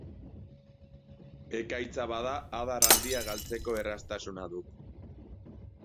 Ekaitza bada adar handiak galtzeko erraztasuna du.